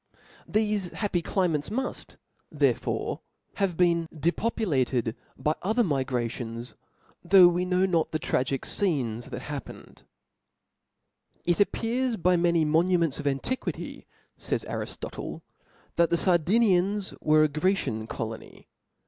Thefe happy climates muft therefore have been depopulated by other migrations^ though we know not the tragical fcenes that happened. •'It O F L A W 9 40^ ^' It appears by many monuments of antiquity, book ^* fays Ariftotle ('), that the Sardinians were a ch^^"^' *' Grecian colony.